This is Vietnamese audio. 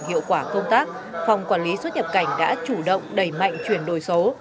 hiệu quả công tác phòng quản lý xuất nhập cảnh đã chủ động đẩy mạnh chuyển đổi số